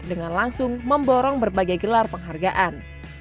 dengan langsung memborong berbagai gelar penghargaan